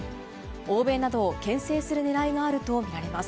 欧米などをけん制するねらいがあると見られます。